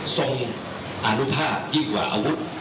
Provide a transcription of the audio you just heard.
ทรงอนุภาพยิ่งกว่าอาวุธ